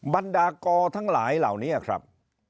บรรดากอทั้งหลายเหล่านี้ครับ